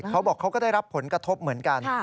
เขาก็ได้รับผลกระทบเหมือนกัน